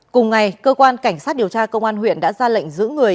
cùng ngày cơ quan cảnh sát điều tra công an huyện đã ra lệnh giữ người